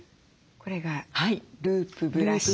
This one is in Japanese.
これがループブラシ。